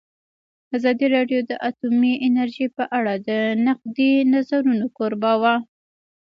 ازادي راډیو د اټومي انرژي په اړه د نقدي نظرونو کوربه وه.